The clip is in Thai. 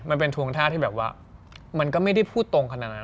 มันเป็นทวงท่าที่แบบว่ามันก็ไม่ได้พูดตรงขนาดนั้น